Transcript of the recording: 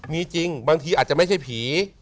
มีจริงบางทีอาจจะไม่ใช่ผี